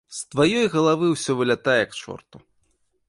З тваёй галавы ўсё вылятае к чорту.